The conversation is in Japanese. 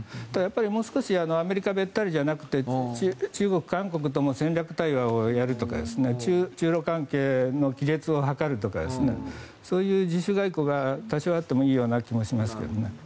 もう少しアメリカべったりじゃなくて中国、韓国とも戦略的対話をやるとか中ロ関係の亀裂を図るとかそういう自主外交が多少あってもいい気がしますが。